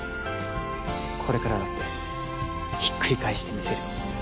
これからだってひっくり返してみせる。